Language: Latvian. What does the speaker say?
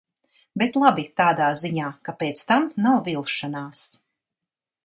Bet labi tādā ziņā, ka pēc tam nav vilšanās.